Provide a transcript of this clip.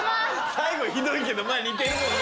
最後ひどいけどまぁ似てるよね。